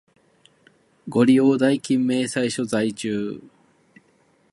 ご利用代金明細書在中